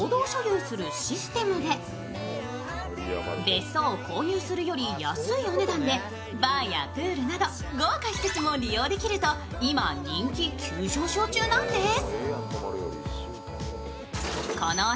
別荘を購入するより安いお値段でバーやプールなど豪華施設も利用できると今、人気急上昇中なんです。